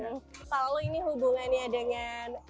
kalau ini hubungannya dengan